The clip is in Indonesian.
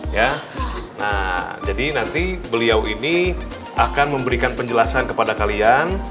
ya nah jadi nanti beliau ini akan memberikan penjelasan kepada kalian